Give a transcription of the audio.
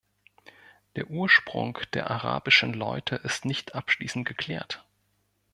Der Ursprung der arabischen Laute ist nicht abschließend geklärt.